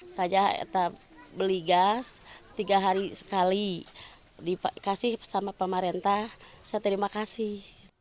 saya beli gas tiga hari sekali dikasih sama pemerintah saya terima kasih